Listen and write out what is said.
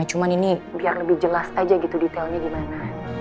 cuma ini biar lebih jelas aja gitu detailnya gimana